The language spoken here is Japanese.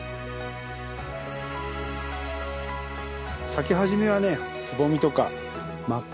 咲き始めはねつぼみとか真っ赤なんですよね。